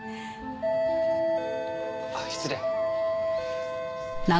あっ失礼。